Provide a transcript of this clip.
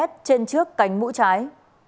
trên trước cánh mũ trái